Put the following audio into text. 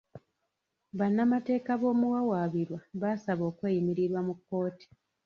Bannamateeka b'omuwawaabirwa baasaba okweyimirirwa mu kkooti.